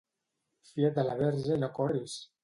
Fia't de la Verge i no corris!